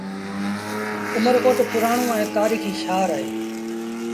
اُمر ڪوٽ پُرآڻو ائيٚݩ تآريٚکي شآهر اهي